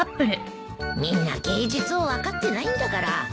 みんな芸術を分かってないんだから。